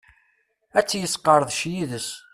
Ad tt-yesqerdec yid-s.